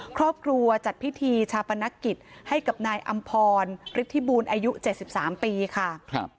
ครอบครัวจัดพิธีชาปนกิจให้กับนายอำพรฤทธิบูรณ์อายุ๗๓ปีค่ะ